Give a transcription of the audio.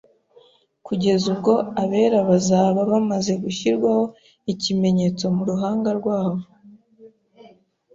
kugeza ubwo abera bazaba bamaze gushyirwaho ikimenyetso mu ruhanga rwabo